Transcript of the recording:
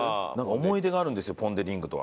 思い出があるんですよポン・デ・リングとは。